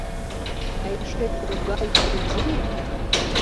Да эше тугай кужу!